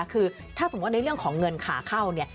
คือถ้าสมมุติในเรื่องของเงินขาเข้าเนี่ย